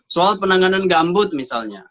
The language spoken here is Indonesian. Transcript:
soal penanganan gambut misalnya